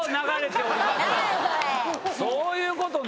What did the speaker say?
そういうことね。